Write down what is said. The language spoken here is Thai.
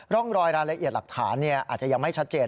ร่องรอยรายละเอียดหลักฐานอาจจะยังไม่ชัดเจน